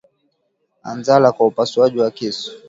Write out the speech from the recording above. Anazala kwa upasuaji wa kisu